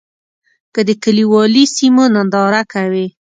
که د کلیوالي سیمو ننداره کوې.